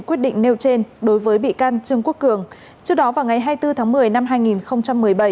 quyết định nêu trên đối với bị can trương quốc cường trước đó vào ngày hai mươi bốn tháng một mươi năm hai nghìn một mươi bảy